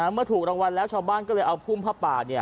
เมื่อถูกรางวัลแล้วชาวบ้านก็เลยเอาพุ่มผ้าป่า